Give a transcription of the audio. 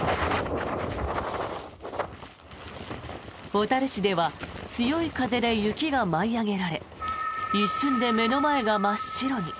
小樽市では強い風で雪が舞い上げられ一瞬で目の前が真っ白に。